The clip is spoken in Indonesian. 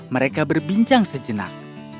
mereka berbincang sejenak